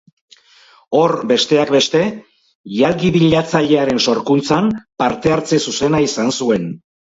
Hor, besteak beste, Jalgi bilatzailearen sorkuntzan parte-hartze zuzena izan zuen.